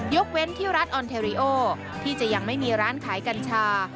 เว้นที่รัฐออนเทริโอที่จะยังไม่มีร้านขายกัญชา